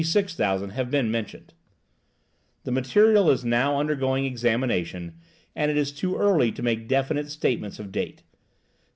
6000 have been mentioned); the material is now undergoing examination, and it is too early to make definite statements of date.